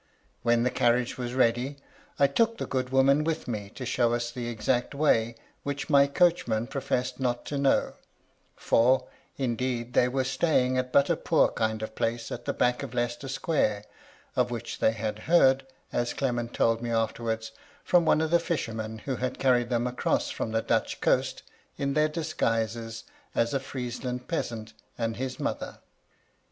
When the carriage was ready, I took the good woman with me to show us the exact way, which my coachman pro fessed not to know ; for, indeed, they were staying at but a poor kind of place at the back of Leicester Square, of which they had heard, as Clement told me afterwards, from one of the fishermen who had carried them across from the Dutch coast in their disguises as a Friesland peasant and his mother.